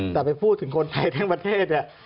แต่ไปพูดถึงคนไทยทั้งประเทศเนี่ย